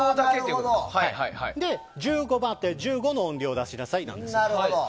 そして、１５の音量を出しなさいなんです。